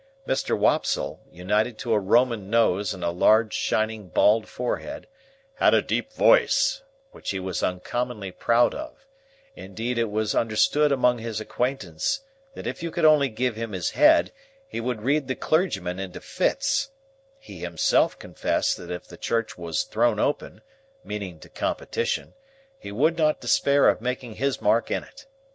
Mr. Wopsle, united to a Roman nose and a large shining bald forehead, had a deep voice which he was uncommonly proud of; indeed it was understood among his acquaintance that if you could only give him his head, he would read the clergyman into fits; he himself confessed that if the Church was "thrown open," meaning to competition, he would not despair of making his mark in it.